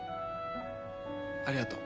ありがとう。